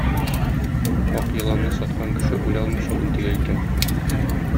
Ак еланны саткан кеше үлә алмыйча интегә икән.